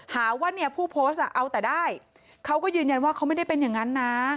หาว่าเนี่ยผู้โพสต์เอาแต่ได้เขาก็ยืนยันว่าเขาไม่ได้เป็นอย่างนั้นนะ